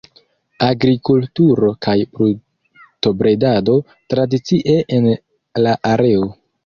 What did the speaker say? Agrikulturo kaj brutobredado tradicie en la areo.